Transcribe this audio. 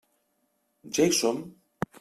Ja hi som.